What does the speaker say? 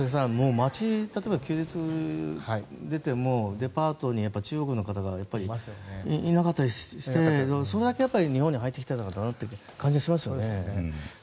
街に例えば休日出てもデパートに中国の方がいたりしてそれだけ日本に入ってきてるんだなという感じがしますね。